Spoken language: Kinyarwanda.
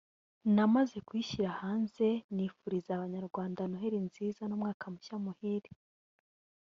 namaze kuyishyira hanze nifuriza Abanyarwanda Noheli nziza n’umwaka mushya muhire”